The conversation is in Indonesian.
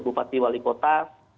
bupati wali kota